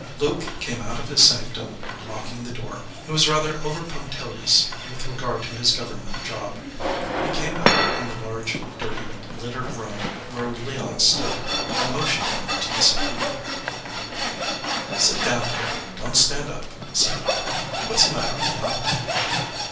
Luke came out of his sanctum, locking the door. He was rather over punctilious with regard to his Govern ment job. He came out in the large, dirty, littered room where Leon stood, and motioned him to the settee. "Sit down here. Don t stand up," said Luke. "What s the matter, Leon?"